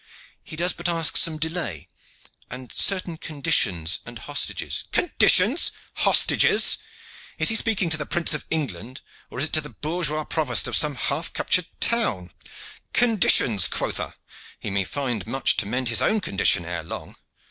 He does but ask some delay and certain conditions and hostages " "Conditions! Hostages! Is he speaking to the Prince of England, or is it to the bourgeois provost of some half captured town! Conditions, quotha? He may find much to mend in his own condition ere long.